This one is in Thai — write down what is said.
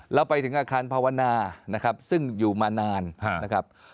เราไปถึงอาคารภาวนานะครับซึ่งอยู่มานานนะครับ